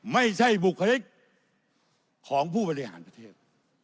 ไม่ใช่บุคลิกของผู้บริหารประเทศ